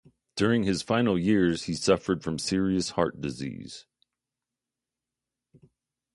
During his final years he suffered from serious heart disease.